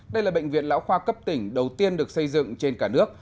đây là bệnh viện lão khoa cấp tỉnh đầu tiên được xây dựng trên cả nước